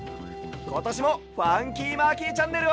ことしも「ファンキーマーキーチャンネル」を。